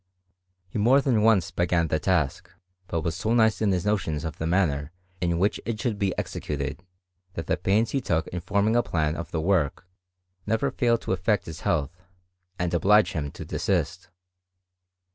He more than once be°na the task ; but was so nice in his notions of the manner in which it should be executed, that the pains he took in forming a plan of the work never failed to affect his health, and oblige him to desist.